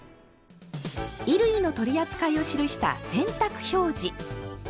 衣類の取り扱いを記した「洗濯表示」。